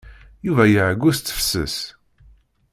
Yuba iɛeyyu s tefses.